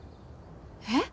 えっ？